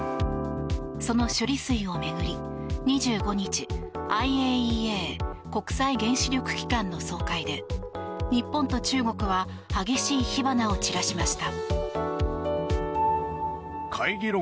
その処理水を巡り、２５日ＩＡＥＡ・国際原子力機関の総会で日本と中国は激しい火花を散らしました。